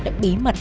đã bí mật